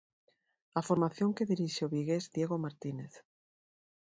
A formación que dirixe o vigués Diego Martínez.